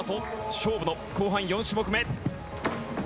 勝負の後半４種目目。